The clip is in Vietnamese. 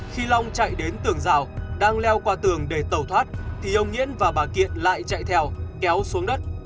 khi lòng chạy đến tường dao đang leo qua tường để tẩu thoát thì ông nghĩễn và bà kiện lại chạy theo kéo xuống đất